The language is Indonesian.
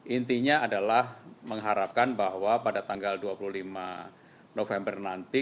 intinya adalah mengharapkan bahwa pada tanggal dua puluh lima november nanti